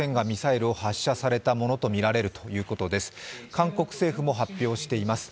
韓国政府も発表しています。